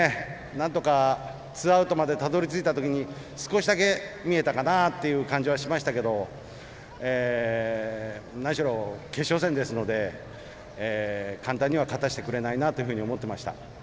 何とかツーアウトまでたどり着いたときに少しだけ見えたかなという感じはしましたけれど何しろ決勝戦ですので簡単には勝たせてくれないなとは思っていました。